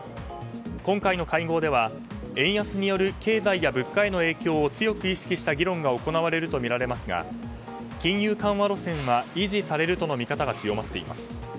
今回の会合では円安による経済や物価絵の影響を強く意識した議論が行われるとみられますが金融緩和路線は維持されるとの見方が強まっています。